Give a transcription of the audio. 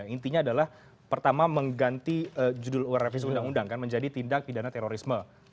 intinya adalah pertama mengganti judul revisi undang undang kan menjadi tindak pidana terorisme